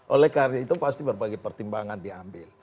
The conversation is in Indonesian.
oleh karena itu pasti berbagai pertimbangan diambil